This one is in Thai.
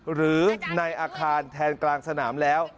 หรือในอาคารแทนกลางสนามแล้ว